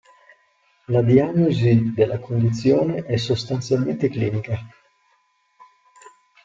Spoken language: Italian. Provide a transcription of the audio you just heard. La diagnosi della condizione è sostanzialmente clinica.